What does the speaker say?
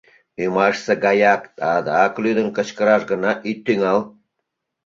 — Ӱмашсе гаяк адак лӱдын кычкыраш гына ит тӱҥал.